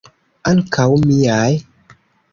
Ankaŭ miaj?